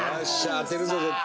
当てるぞ絶対。